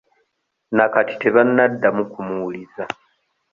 Nakati tebannaddamu kumuwuliza.